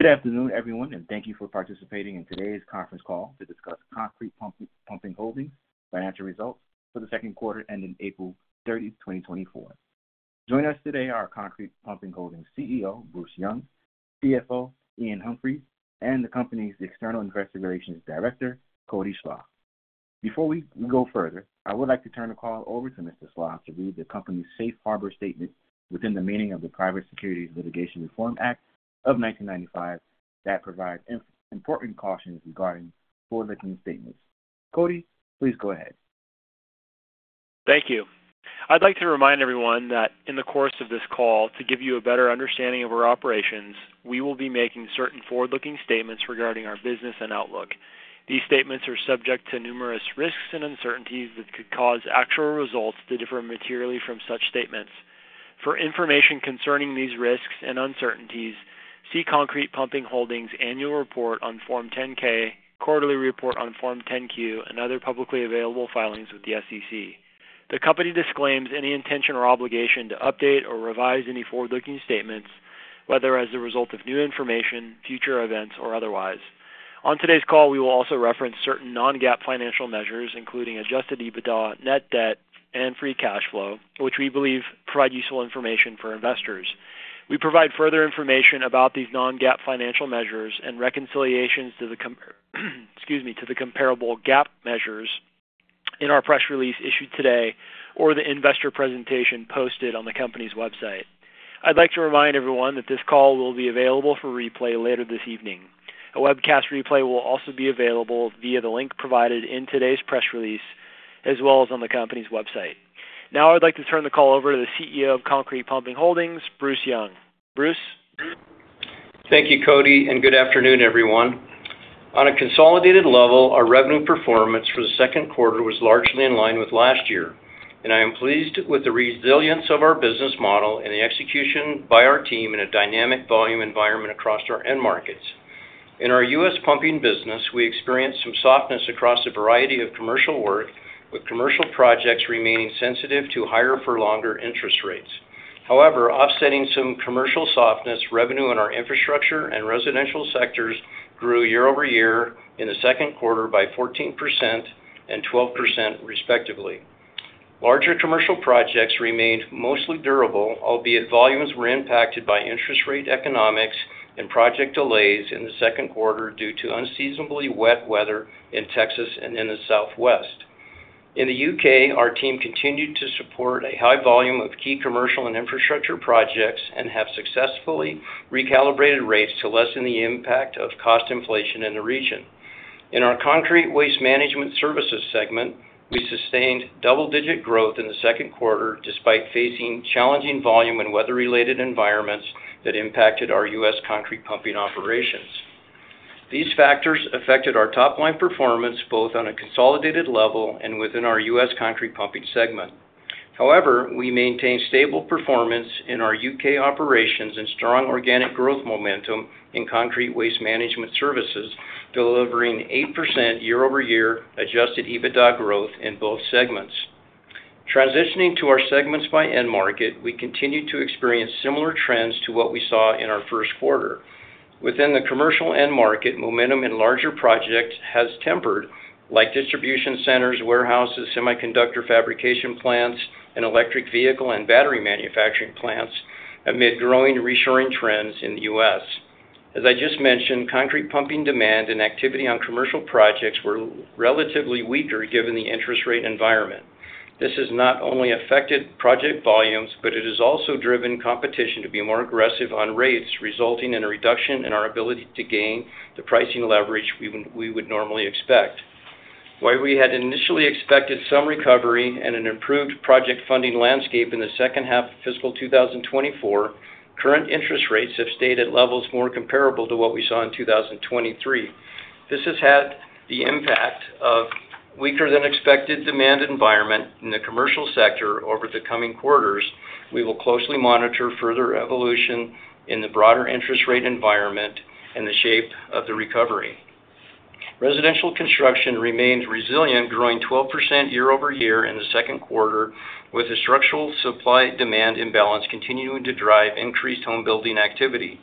Good afternoon, everyone, and thank you for participating in today's conference call to discuss Concrete Pumping Holdings Financial Results for the Second Quarter Ending April 30, 2024. Joining us today are Concrete Pumping Holdings CEO Bruce Young, CFO Iain Humphries, and the company's External Director of Investor Relations, Cody Slach. Before we go further, I would like to turn the call over to Mr. Slach to read the company's safe harbor statement within the meaning of the Private Securities Litigation Reform Act of 1995 that provides important cautions regarding forward-looking statements. Cody, please go ahead. Thank you. I'd like to remind everyone that in the course of this call, to give you a better understanding of our operations, we will be making certain forward-looking statements regarding our business and outlook. These statements are subject to numerous risks and uncertainties that could cause actual results to differ materially from such statements. For information concerning these risks and uncertainties, see Concrete Pumping Holdings' annual report on Form 10-K, quarterly report on Form 10-Q, and other publicly available filings with the SEC. The company disclaims any intention or obligation to update or revise any forward-looking statements, whether as a result of new information, future events, or otherwise. On today's call, we will also reference certain non-GAAP financial measures, including adjusted EBITDA, net debt, and free cash flow, which we believe provide useful information for investors. We provide further information about these non-GAAP financial measures and reconciliations to the comparable GAAP measures in our press release issued today or the investor presentation posted on the company's website. I'd like to remind everyone that this call will be available for replay later this evening. A webcast replay will also be available via the link provided in today's press release as well as on the company's website. Now, I'd like to turn the call over to the CEO of Concrete Pumping Holdings, Bruce Young. Bruce? Thank you, Cody, and good afternoon, everyone. On a consolidated level, our revenue performance for the second quarter was largely in line with last year, and I am pleased with the resilience of our business model and the execution by our team in a dynamic volume environment across our end markets. In our U.S. pumping business, we experienced some softness across a variety of commercial work, with commercial projects remaining sensitive to higher-for-longer interest rates. However, offsetting some commercial softness, revenue in our infrastructure and residential sectors grew year-over-year in the second quarter by 14% and 12%, respectively. Larger commercial projects remained mostly durable, albeit volumes were impacted by interest rate economics and project delays in the second quarter due to unseasonably wet weather in Texas and in the Southwest. In the U.K., our team continued to support a high volume of key commercial and infrastructure projects and have successfully recalibrated rates to lessen the impact of cost inflation in the region. In our Concrete Waste Management Services segment, we sustained double-digit growth in the second quarter despite facing challenging volume and weather-related environments that impacted our U.S. Concrete Pumping operations. These factors affected our top-line performance both on a consolidated level and within our U.S. Concrete Pumping segment. However, we maintained stable performance in our U.K. Operations and strong organic growth momentum in Concrete Waste Management Services, delivering 8% year-over-year adjusted EBITDA growth in both segments. Transitioning to our segments by end market, we continue to experience similar trends to what we saw in our first quarter. Within the commercial end market, momentum in larger projects has tempered, like distribution centers, warehouses, semiconductor fabrication plants, and electric vehicle and battery manufacturing plants, amid growing reshoring trends in the U.S. As I just mentioned, Concrete Pumping demand and activity on commercial projects were relatively weaker given the interest rate environment. This has not only affected project volumes, but it has also driven competition to be more aggressive on rates, resulting in a reduction in our ability to gain the pricing leverage we would normally expect. While we had initially expected some recovery and an improved project funding landscape in the second half of fiscal 2024, current interest rates have stayed at levels more comparable to what we saw in 2023. This has had the impact of a weaker-than-expected demand environment in the commercial sector over the coming quarters. We will closely monitor further evolution in the broader interest rate environment and the shape of the recovery. Residential construction remained resilient, growing 12% year-over-year in the second quarter, with the structural supply-demand imbalance continuing to drive increased home building activity.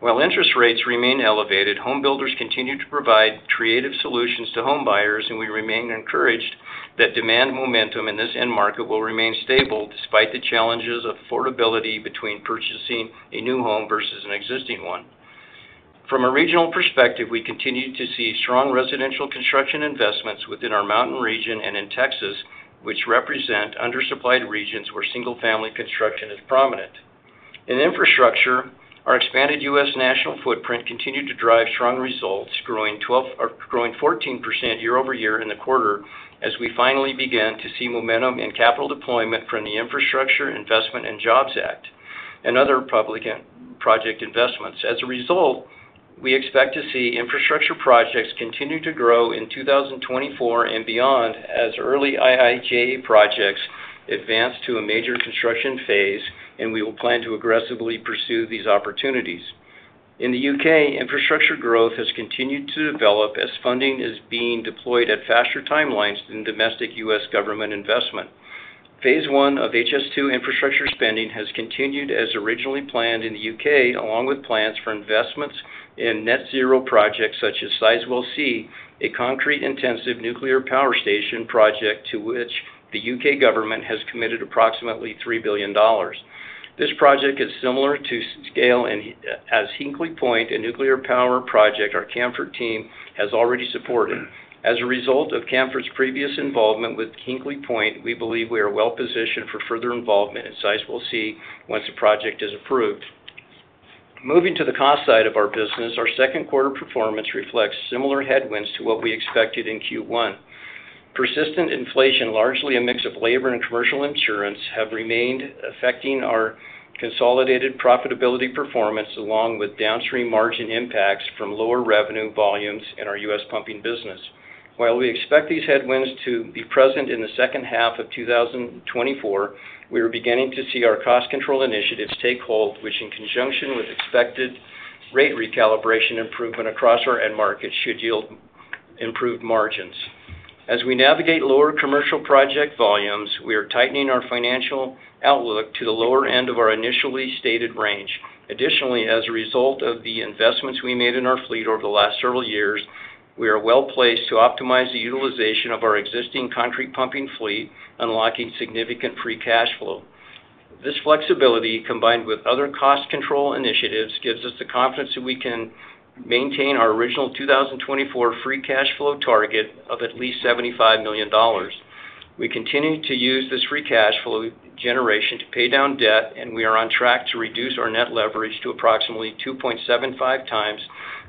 While interest rates remain elevated, homebuilders continue to provide creative solutions to homebuyers, and we remain encouraged that demand momentum in this end market will remain stable despite the challenges of affordability between purchasing a new home versus an existing one. From a regional perspective, we continue to see strong residential construction investments within our Mountain region and in Texas, which represent undersupplied regions where single-family construction is prominent. In infrastructure, our expanded U.S. national footprint continued to drive strong results, growing 14% year-over-year in the quarter as we finally began to see momentum in capital deployment from the Infrastructure Investment and Jobs Act and other public project investments. As a result, we expect to see infrastructure projects continue to grow in 2024 and beyond as early IIJA projects advance to a major construction phase, and we will plan to aggressively pursue these opportunities. In the U.K., infrastructure growth has continued to develop as funding is being deployed at faster timelines than domestic U.S. government investment. Phase I of HS2 infrastructure spending has continued as originally planned in the U.K., along with plans for investments in net-zero projects such as Sizewell C, a concrete-intensive nuclear power station project to which the U.K. government has committed approximately $3 billion. This project is similar to scale as Hinkley Point, a nuclear power project our Camfaud team has already supported. As a result of Camfaud's previous involvement with Hinkley Point, we believe we are well-positioned for further involvement in Sizewell C once the project is approved. Moving to the cost side of our business, our second quarter performance reflects similar headwinds to what we expected in Q1. Persistent inflation, largely a mix of labor and commercial insurance, has remained affecting our consolidated profitability performance along with downstream margin impacts from lower revenue volumes in our U.S. pumping business. While we expect these headwinds to be present in the second half of 2024, we are beginning to see our cost control initiatives take hold, which, in conjunction with expected rate recalibration improvement across our end markets, should yield improved margins. As we navigate lower commercial project volumes, we are tightening our financial outlook to the lower end of our initially stated range. Additionally, as a result of the investments we made in our fleet over the last several years, we are well-placed to optimize the utilization of our existing Concrete Pumping fleet, unlocking significant free cash flow. This flexibility, combined with other cost control initiatives, gives us the confidence that we can maintain our original 2024 free cash flow target of at least $75 million. We continue to use this free cash flow generation to pay down debt, and we are on track to reduce our net leverage to approximately 2.75x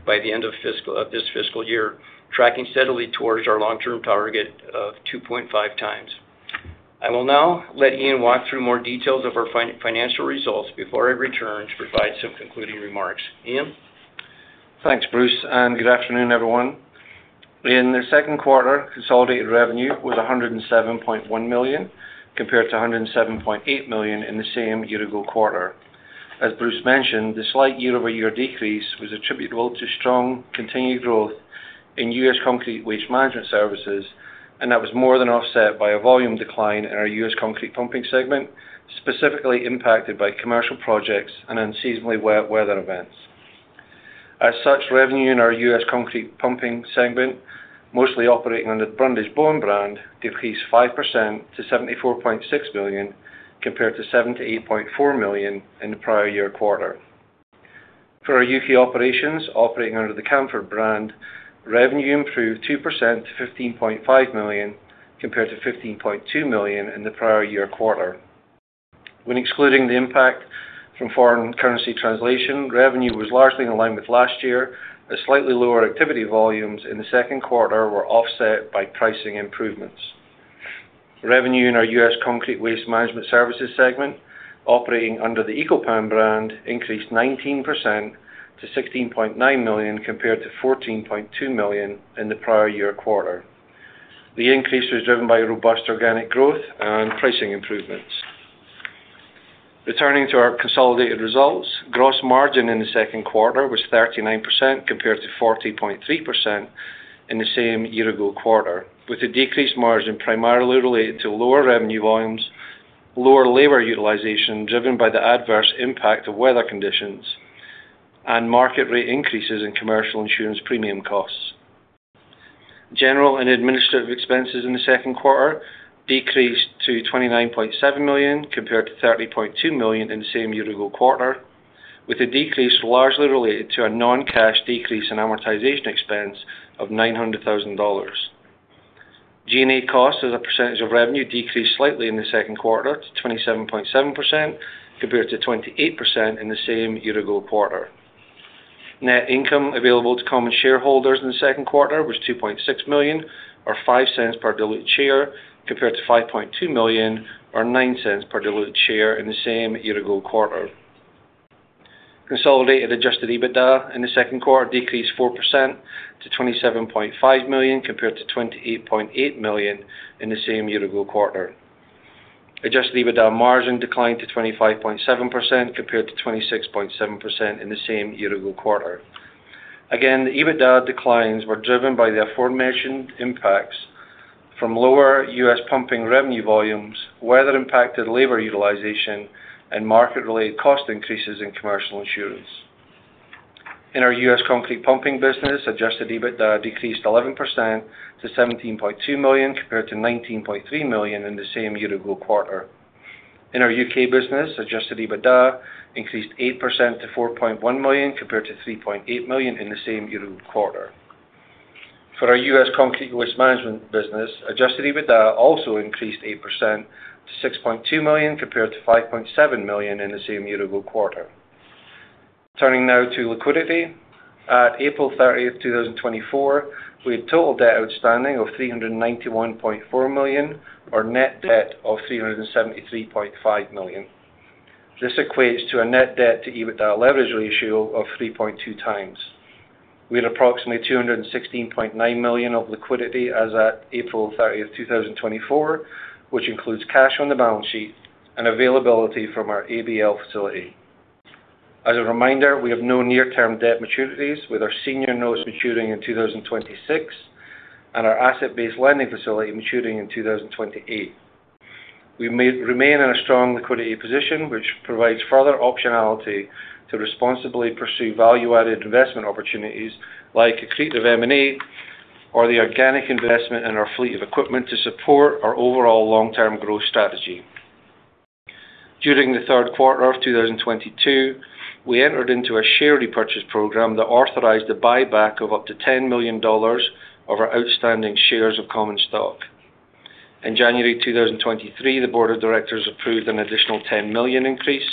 by the end of this fiscal year, tracking steadily towards our long-term target of 2.5x. I will now let Iain walk through more details of our financial results before I return to provide some concluding remarks. Iain? Thanks, Bruce, and good afternoon, everyone. In the second quarter, consolidated revenue was $107.1 million compared to $107.8 million in the same year-ago quarter. As Bruce mentioned, the slight year-over-year decrease was attributable to strong continued growth in U.S. Concrete Waste Management Services, and that was more than offset by a volume decline in our U.S. Concrete Pumping segment, specifically impacted by commercial projects and unseasonably wet weather events. As such, revenue in our U.S. Concrete Pumping segment, mostly operating under the Brundage-Bone brand, decreased 5% to $74.6 million compared to $78.4 million in the prior year quarter. For our U.K. Operations operating under the Camfaud brand, revenue improved 2% to $15.5 million compared to $15.2 million in the prior year quarter. When excluding the impact from foreign currency translation, revenue was largely in line with last year, as slightly lower activity volumes in the second quarter were offset by pricing improvements. Revenue in our U.S. Concrete Waste Management Services segment operating under the Eco-Pan brand increased 19% to $16.9 million compared to $14.2 million in the prior year quarter. The increase was driven by robust organic growth and pricing improvements. Returning to our consolidated results, gross margin in the second quarter was 39% compared to 40.3% in the same year-ago quarter, with a decreased margin primarily related to lower revenue volumes, lower labor utilization driven by the adverse impact of weather conditions, and market rate increases in commercial insurance premium costs. General and administrative expenses in the second quarter decreased to $29.7 million compared to $30.2 million in the same year-ago quarter, with a decrease largely related to a non-cash decrease in amortization expense of $900,000. G&A costs as a percentage of revenue decreased slightly in the second quarter to 27.7% compared to 28% in the same year-ago quarter. Net income available to common shareholders in the second quarter was $2.6 million, or $0.05 per diluted share, compared to $5.2 million, or $0.09 per diluted share in the same year-ago quarter. Consolidated adjusted EBITDA in the second quarter decreased 4% to $27.5 million compared to $28.8 million in the same year-ago quarter. Adjusted EBITDA margin declined to 25.7% compared to 26.7% in the same year-ago quarter. Again, the EBITDA declines were driven by the aforementioned impacts from lower U.S. pumping revenue volumes, weather-impacted labor utilization, and market-related cost increases in commercial insurance. In our U.S. Concrete Pumping business, adjusted EBITDA decreased 11% to $17.2 million compared to $19.3 million in the same year-ago quarter. In our U.K. business, adjusted EBITDA increased 8% to $4.1 million compared to $3.8 million in the same year-ago quarter. For our U.S. Concrete Waste Management business, adjusted EBITDA also increased 8% to $6.2 million compared to $5.7 million in the same year-ago quarter. Turning now to liquidity, at April 30, 2024, we had total debt outstanding of $391.4 million, or net debt of $373.5 million. This equates to a net debt-to-EBITDA leverage ratio of 3.2x. We had approximately $216.9 million of liquidity as at April 30, 2024, which includes cash on the balance sheet and availability from our ABL facility. As a reminder, we have no near-term debt maturities, with our Senior Notes maturing in 2026 and our Asset-Based Lending Facility maturing in 2028. We remain in a strong liquidity position, which provides further optionality to responsibly pursue value-added investment opportunities like accretive M&A or the organic investment in our fleet of equipment to support our overall long-term growth strategy. During the third quarter of 2022, we entered into a share repurchase program that authorized the buyback of up to $10 million of our outstanding shares of common stock. In January 2023, the Board of Directors approved an additional $10 million increase,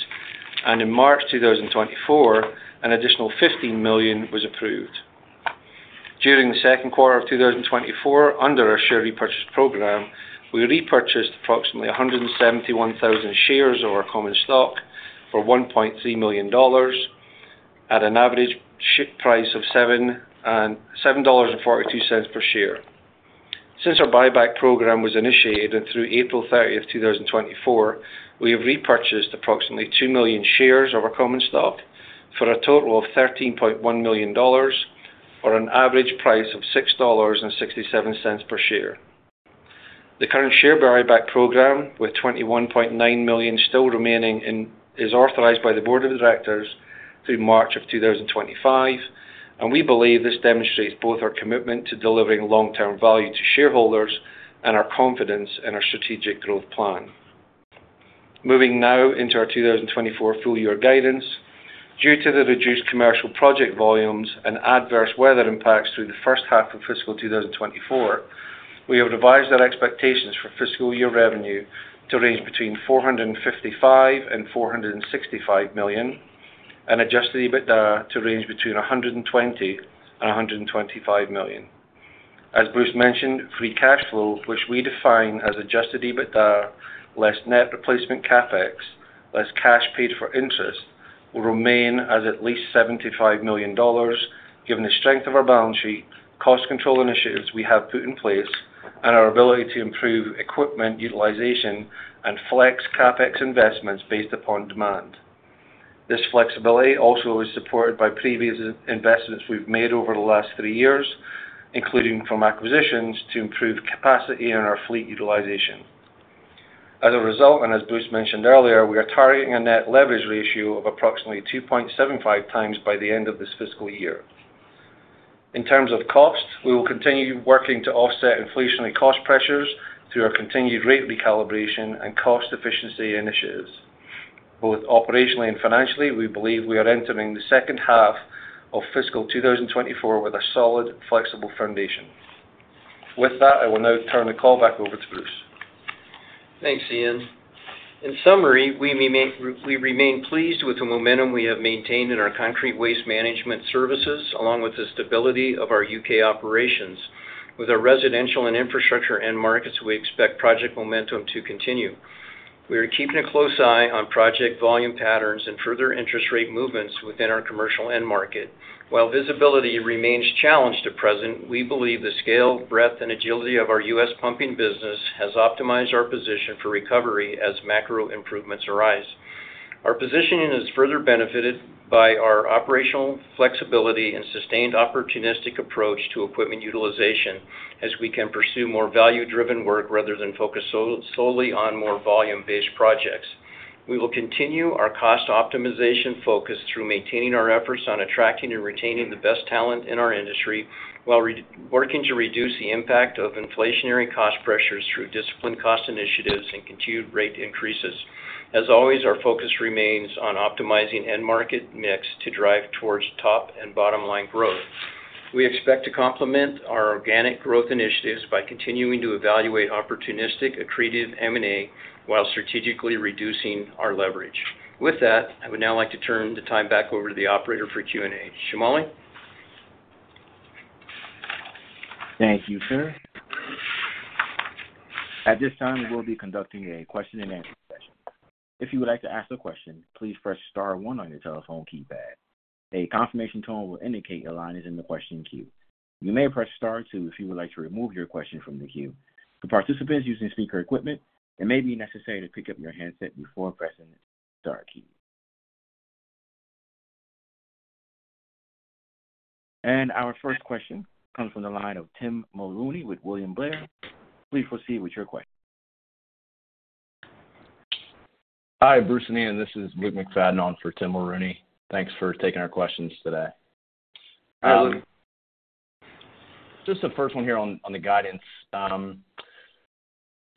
and in March 2024, an additional $15 million was approved. During the second quarter of 2024, under our share repurchase program, we repurchased approximately 171,000 shares of our common stock for $1.3 million at an average share price of $7.42 per share. Since our buyback program was initiated and through April 30, 2024, we have repurchased approximately 2 million shares of our common stock for a total of $13.1 million, or an average price of $6.67 per share. The current share buyback program, with $21.9 million still remaining, is authorized by the Board of Directors through March of 2025, and we believe this demonstrates both our commitment to delivering long-term value to shareholders and our confidence in our strategic growth plan. Moving now into our 2024 full-year guidance, due to the reduced commercial project volumes and adverse weather impacts through the first half of fiscal 2024, we have revised our expectations for fiscal year revenue to range between $455 million-$465 million and adjusted EBITDA to range between $120 million-$125 million. As Bruce mentioned, free cash flow, which we define as adjusted EBITDA less net replacement CapEx less cash paid for interest, will remain as at least $75 million given the strength of our balance sheet, cost control initiatives we have put in place, and our ability to improve equipment utilization and flex CapEx investments based upon demand. This flexibility also is supported by previous investments we've made over the last three years, including from acquisitions to improve capacity and our fleet utilization. As a result, and as Bruce mentioned earlier, we are targeting a net leverage ratio of approximately 2.75x by the end of this fiscal year. In terms of cost, we will continue working to offset inflationary cost pressures through our continued rate recalibration and cost efficiency initiatives. Both operationally and financially, we believe we are entering the second half of fiscal 2024 with a solid, flexible foundation. With that, I will now turn the call back over to Bruce. Thanks, Iain. In summary, we remain pleased with the momentum we have maintained in our Concrete Waste Management Services along with the stability of our U.K. Operations. With our residential and infrastructure end markets, we expect project momentum to continue. We are keeping a close eye on project volume patterns and further interest rate movements within our commercial end market. While visibility remains challenged at present, we believe the scale, breadth, and agility of our U.S. pumping business has optimized our position for recovery as macro improvements arise. Our positioning is further benefited by our operational flexibility and sustained opportunistic approach to equipment utilization, as we can pursue more value-driven work rather than focus solely on more volume-based projects. We will continue our cost optimization focus through maintaining our efforts on attracting and retaining the best talent in our industry while working to reduce the impact of inflationary cost pressures through disciplined cost initiatives and continued rate increases. As always, our focus remains on optimizing end market mix to drive towards top and bottom-line growth. We expect to complement our organic growth initiatives by continuing to evaluate opportunistic accretive M&A while strategically reducing our leverage. With that, I would now like to turn the time back over to the operator for Q&A. Shamali? Thank you, sir. At this time, we will be conducting a question-and-answer session. If you would like to ask a question, please press star 1 on your telephone keypad. A confirmation tone will indicate your line is in the question queue. You may press star two if you would like to remove your question from the queue. For participants using speaker equipment, it may be necessary to pick up your handset before pressing the star key. Our first question comes from the line of Tim Mulrooney with William Blair. Please proceed with your question. Hi, Bruce and Iain. This is Luke McFadden on for Tim Mulrooney. Thanks for taking our questions today. Hi, Luke. Just the first one here on the guidance.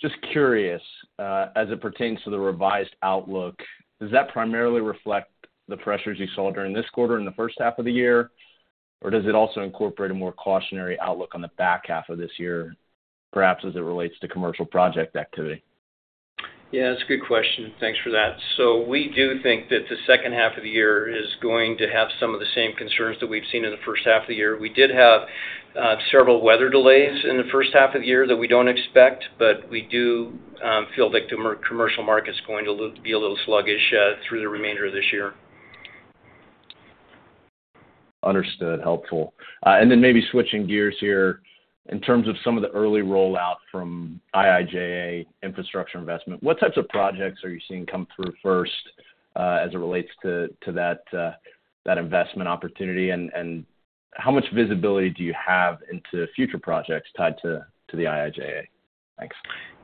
Just curious, as it pertains to the revised outlook, does that primarily reflect the pressures you saw during this quarter in the first half of the year, or does it also incorporate a more cautionary outlook on the back half of this year, perhaps as it relates to commercial project activity? Yeah, that's a good question. Thanks for that. So we do think that the second half of the year is going to have some of the same concerns that we've seen in the first half of the year. We did have several weather delays in the first half of the year that we don't expect, but we do feel that commercial markets are going to be a little sluggish through the remainder of this year. Understood. Helpful. And then maybe switching gears here, in terms of some of the early rollout from IIJA infrastructure investment, what types of projects are you seeing come through first as it relates to that investment opportunity, and how much visibility do you have into future projects tied to the IIJA? Thanks.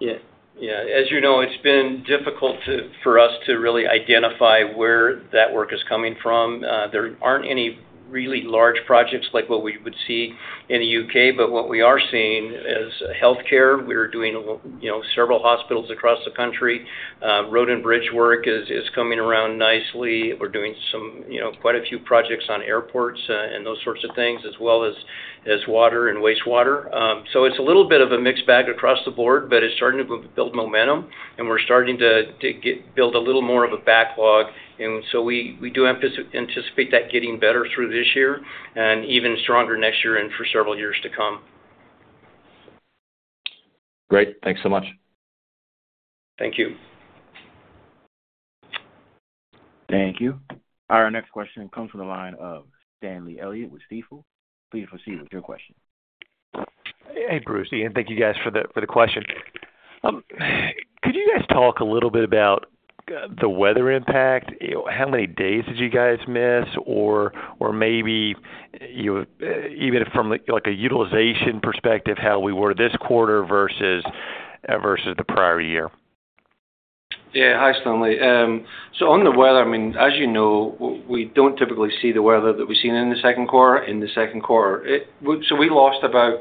Yeah. Yeah. As you know, it's been difficult for us to really identify where that work is coming from. There aren't any really large projects like what we would see in the U.K., but what we are seeing is healthcare. We're doing several hospitals across the country. Road and bridge work is coming around nicely. We're doing quite a few projects on airports and those sorts of things, as well as water and wastewater. So it's a little bit of a mixed bag across the board, but it's starting to build momentum, and we're starting to build a little more of a backlog. And so we do anticipate that getting better through this year and even stronger next year and for several years to come. Great. Thanks so much. Thank you. Thank you. Our next question comes from the line of Stanley Elliott with Stifel. Please proceed with your question. Hey, Bruce. Iain, thank you guys for the question. Could you guys talk a little bit about the weather impact? How many days did you guys miss, or maybe even from a utilization perspective, how we were this quarter versus the prior year? Yeah. Hi, Stanley. So on the weather, I mean, as you know, we don't typically see the weather that we've seen in the second quarter. In the second quarter, so we lost about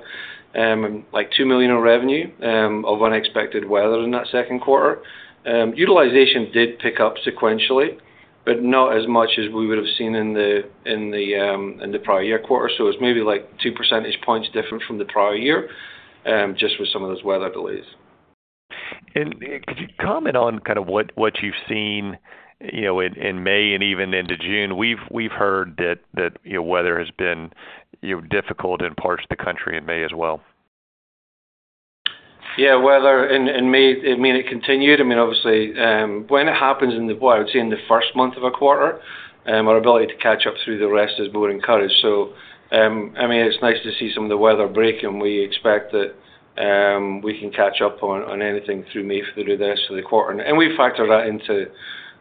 $2 million of unexpected weather in that second quarter. Utilization did pick up sequentially, but not as much as we would have seen in the prior year quarter. So it's maybe like one percentage points different from the prior year just with some of those weather delays. Could you comment on kind of what you've seen in May and even into June? We've heard that weather has been difficult in parts of the country in May as well. Yeah. Weather in May, I mean, it continued. I mean, obviously, when it happens, I would say in the first month of a quarter, our ability to catch up through the rest is more encouraged. So I mean, it's nice to see some of the weather break, and we expect that we can catch up on anything through May through the rest of the quarter. And we factor that into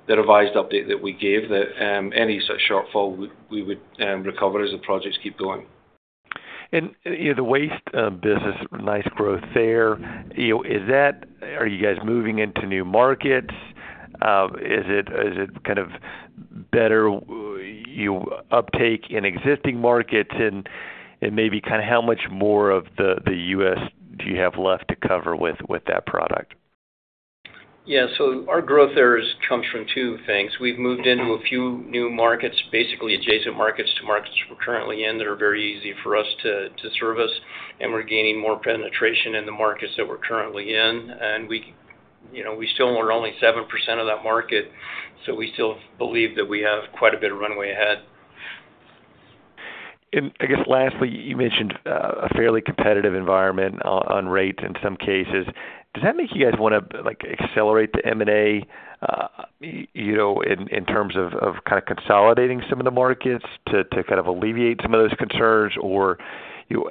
the revised update that we gave, that any such shortfall, we would recover as the projects keep going. The waste business, nice growth there. Are you guys moving into new markets? Is it kind of better uptake in existing markets? Maybe kind of how much more of the U.S. do you have left to cover with that product? Yeah. So our growth there comes from two things. We've moved into a few new markets, basically adjacent markets to markets we're currently in that are very easy for us to service and we're gaining more penetration in the markets that we're currently in. And we still are only 7% of that market, so we still believe that we have quite a bit of runway ahead. I guess lastly, you mentioned a fairly competitive environment on rate in some cases. Does that make you guys want to accelerate the M&A in terms of kind of consolidating some of the markets to kind of alleviate some of those concerns? Or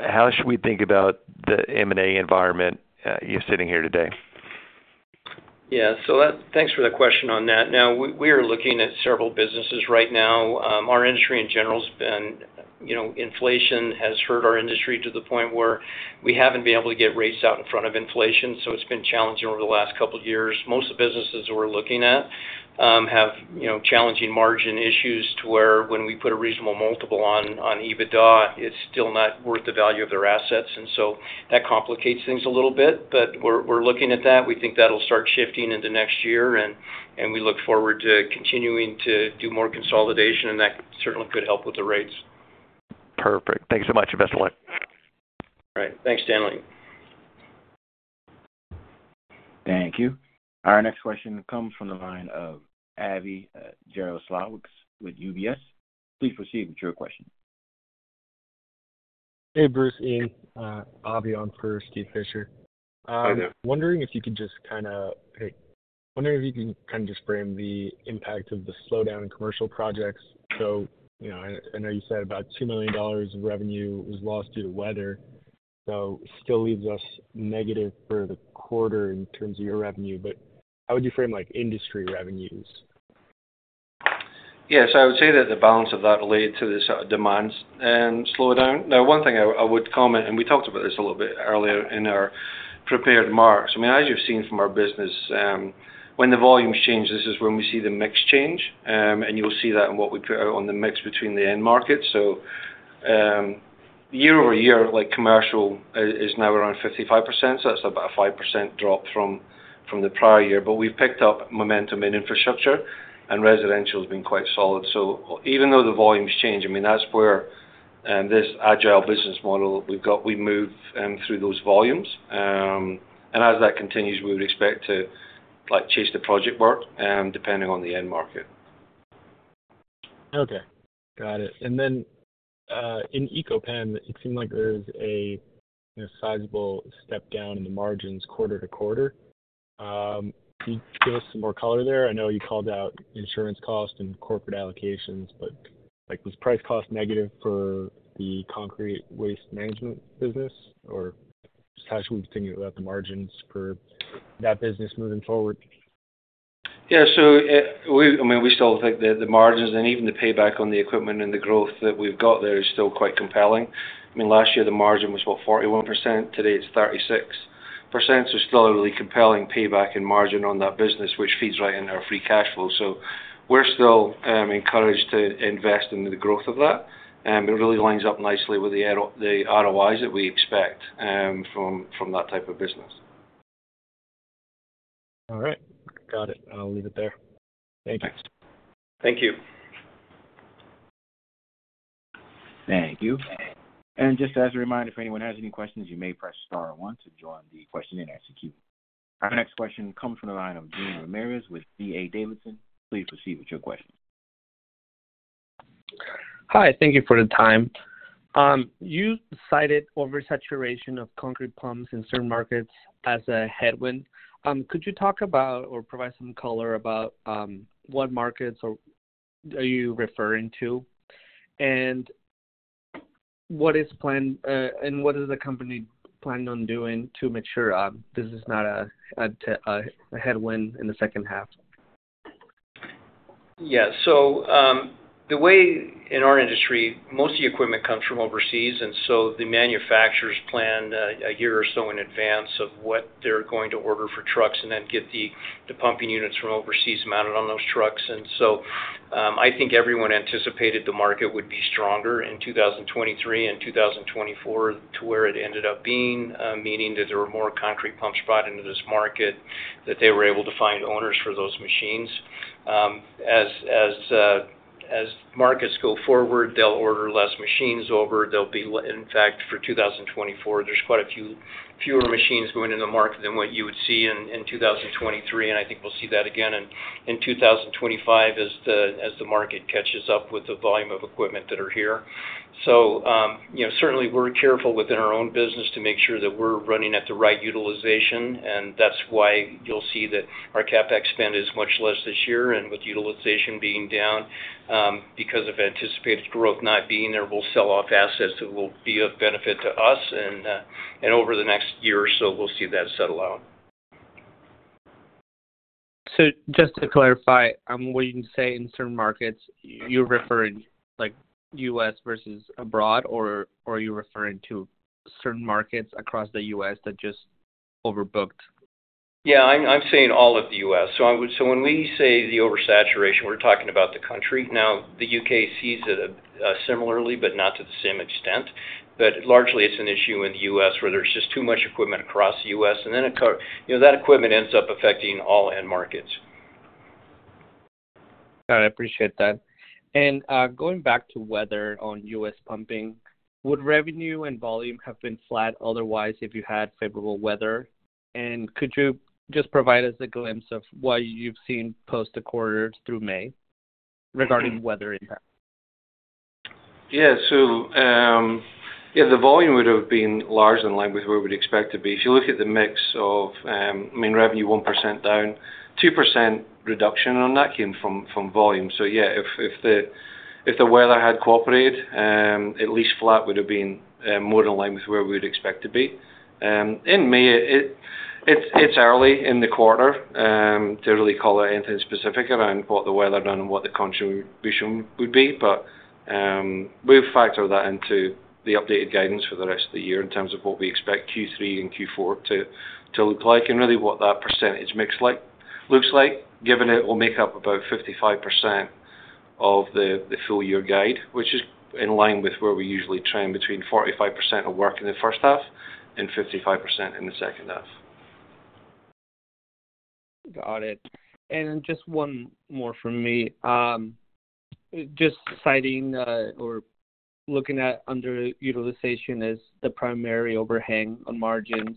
how should we think about the M&A environment you're sitting here today? Yeah. So thanks for the question on that. Now, we are looking at several businesses right now. Our industry in general has been inflation has hurt our industry to the point where we haven't been able to get rates out in front of inflation, so it's been challenging over the last couple of years. Most of the businesses we're looking at have challenging margin issues to where when we put a reasonable multiple on EBITDA, it's still not worth the value of their assets. And so that complicates things a little bit, but we're looking at that. We think that'll start shifting into next year, and we look forward to continuing to do more consolidation, and that certainly could help with the rates. Perfect. Thanks so much. Best of luck. All right. Thanks, Stanley. Thank you. Our next question comes from the line of Avi Jaroslawicz with UBS. Please proceed with your question. Hey, Bruce, Iain. Avi on for Steve Fisher. Hi there. Wondering if you could just kind of frame the impact of the slowdown in commercial projects. So I know you said about $2 million of revenue was lost due to weather, so it still leaves us negative for the quarter in terms of your revenue, but how would you frame industry revenues? Yeah. So I would say that the balance of that related to this demand and slowdown. Now, one thing I would comment, and we talked about this a little bit earlier in our prepared remarks. I mean, as you've seen from our business, when the volumes change, this is when we see the mix change, and you'll see that in what we put out on the mix between the end markets. So year-over-year, commercial is now around 55%, so that's about a 5% drop from the prior year. But we've picked up momentum in infrastructure, and residential has been quite solid. So even though the volumes change, I mean, that's where this agile business model we've got, we move through those volumes. And as that continues, we would expect to chase the project work depending on the end market. Okay. Got it. Then in Eco-Pan, it seemed like there was a sizable step down in the margins quarter-over-quarter. Can you give us some more color there? I know you called out insurance costs and corporate allocations, but was price cost negative for the concrete waste management business, or how should we think about the margins for that business moving forward? Yeah. So I mean, we still think that the margins and even the payback on the equipment and the growth that we've got there is still quite compelling. I mean, last year, the margin was about 41%. Today, it's 36%. So still a really compelling payback and margin on that business, which feeds right into our free cash flow. So we're still encouraged to invest into the growth of that. It really lines up nicely with the ROIs that we expect from that type of business. All right. Got it. I'll leave it there. Thank you. Thank you. Thank you. And just as a reminder, if anyone has any questions, you may press star one to join the question-and-answer queue. Our next question comes from the line of Jean Ramirez with D.A. Davidson. Please proceed with your question. Hi. Thank you for the time. You cited oversaturation of concrete pumps in certain markets as a headwind. Could you talk about or provide some color about what markets are you referring to, and what is planned, and what is the company planning on doing to make sure this is not a headwind in the second half? Yeah. So the way in our industry, most of the equipment comes from overseas, and so the manufacturers plan a year or so in advance of what they're going to order for trucks and then get the pumping units from overseas mounted on those trucks. And so I think everyone anticipated the market would be stronger in 2023 and 2024 to where it ended up being, meaning that there were more concrete pumps brought into this market, that they were able to find owners for those machines. As markets go forward, they'll order less machines over. In fact, for 2024, there's quite a few fewer machines going into the market than what you would see in 2023, and I think we'll see that again in 2025 as the market catches up with the volume of equipment that are here. So certainly, we're careful within our own business to make sure that we're running at the right utilization, and that's why you'll see that our CapEx spend is much less this year. And with utilization being down, because of anticipated growth not being there, we'll sell off assets that will be of benefit to us. And over the next year or so, we'll see that settle out. Just to clarify, when you say in certain markets, you're referring to U.S. versus abroad, or are you referring to certain markets across the U.S. that just overbooked? Yeah. I'm saying all of the U.S. So when we say the oversaturation, we're talking about the country. Now, the U.K. sees it similarly, but not to the same extent. But largely, it's an issue in the U.S. where there's just too much equipment across the U.S., and then that equipment ends up affecting all end markets. Got it. I appreciate that. And going back to weather on U.S. pumping, would revenue and volume have been flat otherwise if you had favorable weather? And could you just provide us a glimpse of what you've seen post the quarter through May regarding weather impact? Yeah. So yeah, the volume would have been large in line with where we'd expect to be. If you look at the mix of, I mean, revenue 1% down, 2% reduction on that came from volume. So yeah, if the weather had cooperated, at least flat would have been more in line with where we would expect to be. In May, it's early in the quarter to really call out anything specific around what the weather done and what the contribution would be, but we've factored that into the updated guidance for the rest of the year in terms of what we expect Q3 and Q4 to look like and really what that percentage mix looks like, given it will make up about 55% of the full-year guide, which is in line with where we usually trend between 45% of work in the first half and 55% in the second half. Got it. Just one more from me. Just citing or looking at underutilization as the primary overhang on margins,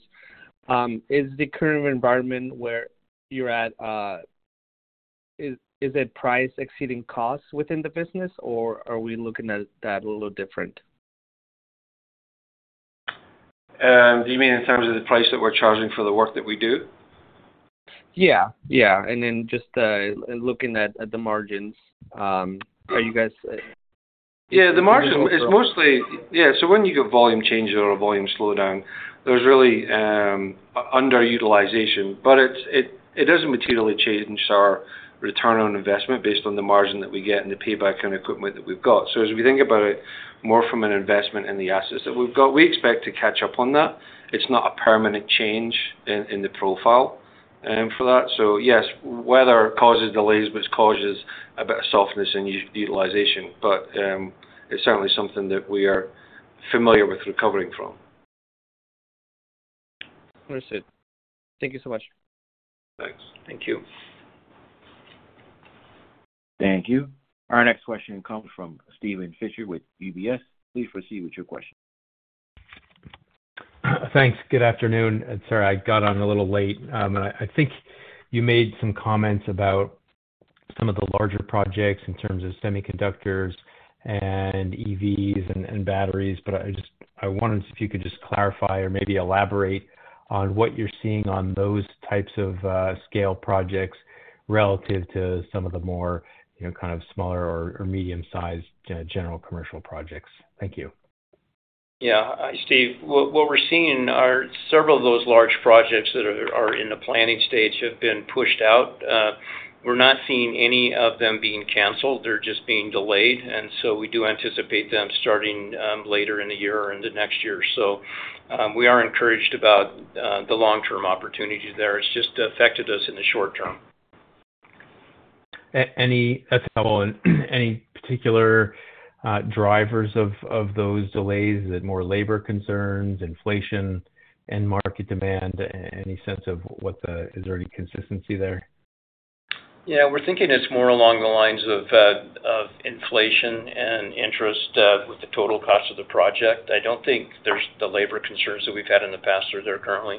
is the current environment where you're at, is it price exceeding costs within the business, or are we looking at that a little different? Do you mean in terms of the price that we're charging for the work that we do? Yeah. Yeah. And then just looking at the margins, are you guys? Yeah. The margin is mostly yeah. So when you get volume changes or a volume slowdown, there's really underutilization, but it doesn't materially change our return on investment based on the margin that we get and the payback on equipment that we've got. So as we think about it more from an investment in the assets that we've got, we expect to catch up on that. It's not a permanent change in the profile for that. So yes, weather causes delays, but it causes a bit of softness in utilization, but it's certainly something that we are familiar with recovering from. Understood. Thank you so much. Thanks. Thank you. Thank you. Our next question comes from Steven Fisher with UBS. Please proceed with your question. Thanks. Good afternoon. Sorry, I got on a little late. I think you made some comments about some of the larger projects in terms of semiconductors and EVs and batteries, but I wanted to see if you could just clarify or maybe elaborate on what you're seeing on those types of scale projects relative to some of the more kind of smaller or medium-sized general commercial projects. Thank you. Yeah. Steve, what we're seeing are several of those large projects that are in the planning stage have been pushed out. We're not seeing any of them being canceled. They're just being delayed, and so we do anticipate them starting later in the year or in the next year. So we are encouraged about the long-term opportunity there. It's just affected us in the short term. Any particular drivers of those delays? Is it more labor concerns, inflation, end market demand, any sense of what it is? Is there any consistency there? Yeah. We're thinking it's more along the lines of inflation and interest with the total cost of the project. I don't think there's the labor concerns that we've had in the past or there currently.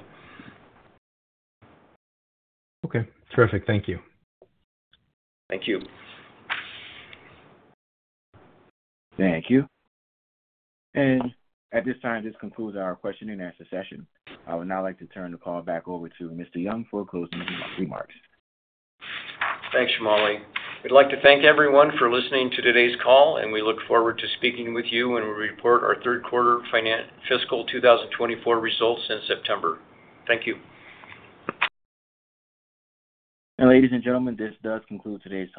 Okay. Terrific. Thank you. Thank you. Thank you. At this time, this concludes our question-and-answer session. I would now like to turn the call back over to Mr. Young for closing remarks. Thanks, Shamali. We'd like to thank everyone for listening to today's call, and we look forward to speaking with you when we report our third-quarter fiscal 2024 results in September. Thank you. Ladies and gentlemen, this does conclude today's.